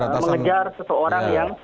mengejar seseorang yang